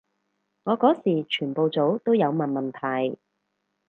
我嗰時全部組都有問問題